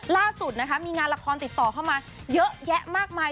ล่าสุดนะคะมีงานละครติดต่อเข้ามาเยอะแยะมากมาย